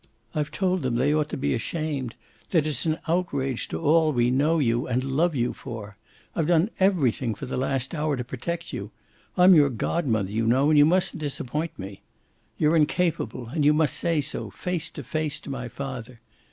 I've told them they ought to be ashamed, that it's an outrage to all we know you and love you for. I've done everything for the last hour to protect you. I'm your godmother, you know, and you mustn't disappoint me. You're incapable, and you must say so, face to face, to my father.